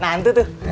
nah itu tuh